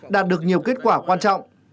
đạt được nhiều kết quả quan trọng